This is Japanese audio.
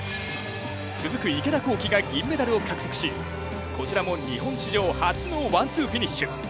続く池田向希が銀メダルを獲得しこちらも日本史上初のワン・ツーフィニッシュ。